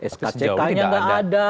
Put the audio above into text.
skck nya tidak ada